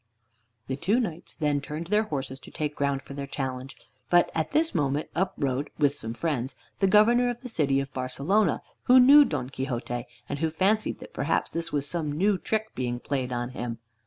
The two knights then turned their horses to take ground for their charge, but at this moment up rode, with some friends, the Governor of the city of Barcelona, who knew Don Quixote, and who fancied that perhaps this was some new trick being played on him.